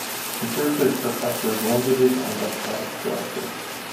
He served as Professor of Languages and athletic director.